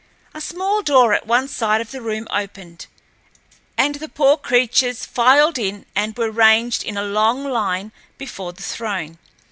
A small door at one side of the room opened, and the poor creatures filed in and were ranged in a long line before the throne.